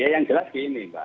yang jelas gini mbak